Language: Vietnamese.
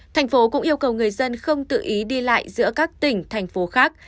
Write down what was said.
thành phố cũng yêu cầu người dân không tự ý đi lại giữa các tỉnh thành phố khác